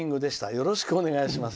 よろしくお願いします」。